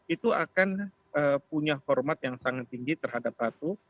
itu akan punya format yang sangat tinggi terhadap ratu